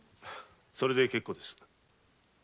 それで結構です。